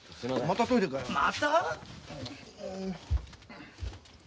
また？